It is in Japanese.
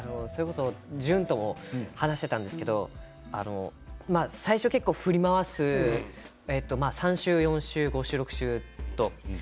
淳とも話をしていたんですけど最初、結構、振り回す３週、４週、５週と。